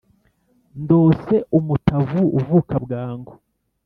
ndose umutavu uvuka bwangu